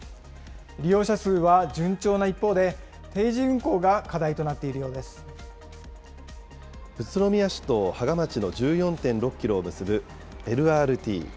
利用者数は順調な一方で、定時運行が課題となっているようで宇都宮市と芳賀町の１４．６キロを結ぶＬＲＴ。